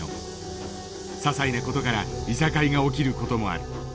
ささいな事からいさかいが起きる事もある。